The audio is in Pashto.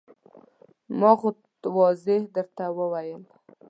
ما خو واضح درته وویل.